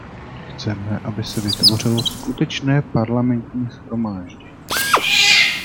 Chceme, aby se vytvořilo skutečné parlamentní shromáždění.